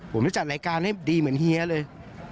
ผมจะจัดรายการให้ดีเหมือนเฮียเลย